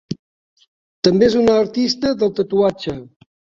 També és un artista del tatuatge.